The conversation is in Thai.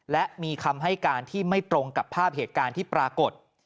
และมีคำให้การที่ไม่ตรงกับภาพเหตุการณ์ที่ปรากฏ